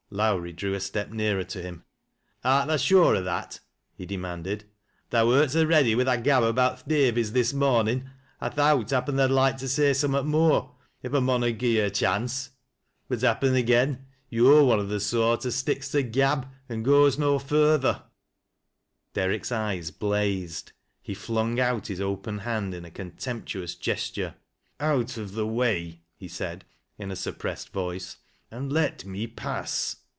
Lowrie drew a step nearer to him. "Art tha sure o' that?" he demanded. " Tha wert so "■eadv wi' thy gab about th' Davys this mcrmn' I thow( i 74 THAT LA8a O LOWBIBTB happen tha'd loike to say summat more if a mon ud gi' yo a chance. But happen agen yo're one o' th' soart ai Bticks to gab an' goes no further." Derrick's eyes blazed, he flung out his open hand in a contemptuous gesture. " Out of the way," he said, in a suppressed voice, " and let me pass."